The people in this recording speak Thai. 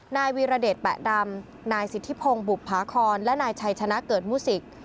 นายวีรเดชแปะดำนายสิทธิพงศ์บุภาครและนายชัยชนะเกิดมุสิก